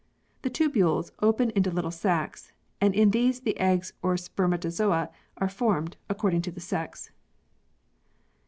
The tubules open into little sacs, and in these the eggs or sper matozoa are formed, according to the sex.